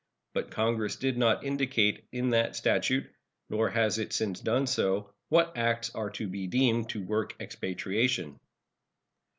But Congress did not indicate in that statute, nor has it since done so, what acts are to be deemed to work expatriation.